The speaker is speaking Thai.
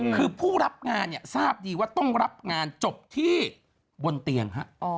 คือผู้รับงานเนี่ยทราบดีว่าต้องรับงานจบที่บนเตียง